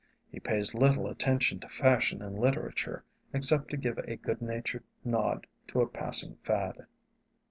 He pays little attention to fashion in literature, except to give a good natured nod to a passing fad.